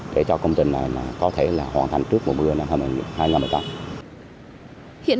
để cho công trình này có thể hoàn thành